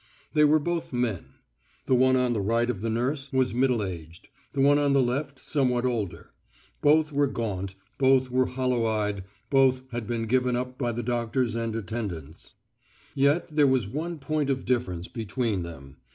They were both men. The one on the right of the nurse was middle aged; the one on the left somewhat older. Both were gaunt, both were hollow eyed, both had been given up by the doctors and attendants. Yet there was one point of difference between them.